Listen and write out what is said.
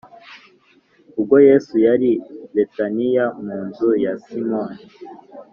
Ubwo Yesu yari i Betaniya mu nzu ya Simoni